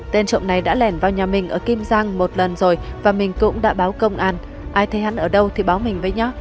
tên trộm này đã lẻn vào nhà mình ở kim giang một lần rồi và mình cũng đã báo công an ai thấy hắn ở đâu thì báo mình với nhau